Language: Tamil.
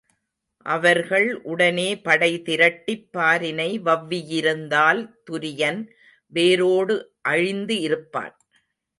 அவர்கள் உடனே படைதிரட்டிப் பாரினை வவ்வியிருந்தால் துரியன் வேரோடு அழிந்து இருப்பான்.